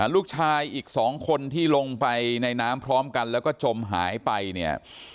ลูกชายอีก๒คนที่ลงไปในน้ำพร้อมกันแล้วก็จมหายไปเนี่ย